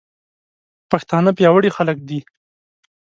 پښتانه پياوړي خلک دي.